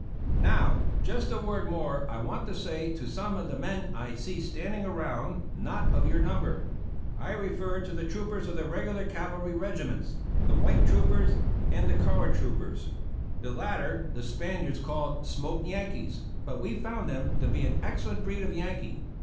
Now, just a word more I want to say to some of the men I see standing around not of vour number. I refer to the 3^9 APPENDIX G troopers of the regular cavalry regiments; the white troop ers; and the colored troopers. The latter the Spaniards called " smoked Yankees," but we found them to be an ex cellent breed of Yankee.